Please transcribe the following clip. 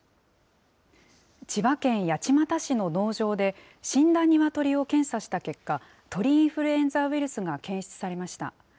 千葉県八街市の農場で、死んだニワトリを検査した結果、鳥インフルエンザウイルスが検出されました。